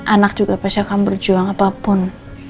anak juga pasti akan berjuang apapun